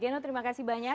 geno terima kasih banyak